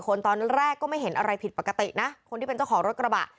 ตอนแรกก็ไม่เห็นอะไรผิดปกตินะคนที่เป็นเจ้าของรถกระบะ